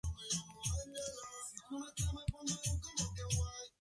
Literalmente significa "el arte del arco", y forma parte de la arquería tradicional coreana.